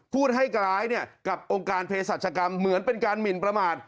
พูดให้ร้ายกับองค์การเพศรัชกรรมเหมือนเป็นการหมินประมาท